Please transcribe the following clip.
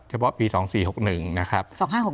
เฉพาะปี๒๔๖๑นะครับ